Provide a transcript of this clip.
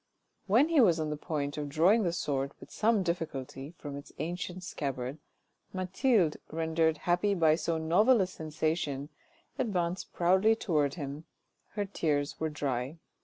When he was on the point of drawing the sword with some difficulty from its ancient scabbard, Mathilde, rendered happy by so novel a sensation, advanced proudly towards him, her tears were dry.